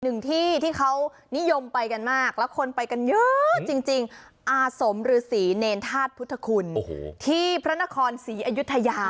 หนึ่งที่ที่เขานิยมไปกันมากแล้วคนไปกันเยอะจริงอาสมฤษีเนรธาตุพุทธคุณที่พระนครศรีอยุธยา